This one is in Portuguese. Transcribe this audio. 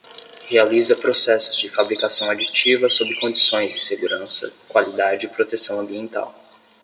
Realiza processos de fabricação aditiva sob condições de segurança, qualidade e proteção ambiental.